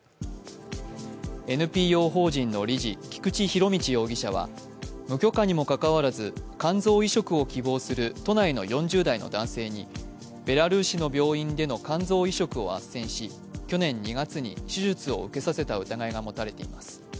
ＮＰＯ法人の理事・菊池仁達容疑者は無許可にもかかわらず、肝臓移植を希望する都内の４０代の男性にベラルーシの病院での肝臓移植をあっせんし、去年２月に手術を受けさせた疑いが持たれています。